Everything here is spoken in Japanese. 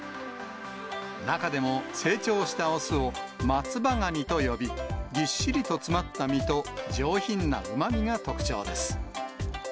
中でも、成長した雄を松葉ガニと呼び、ぎっしりと詰まった身と、上品なうまみが特徴です。